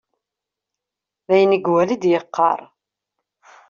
D ayen iwala i d-yeqqaṛ.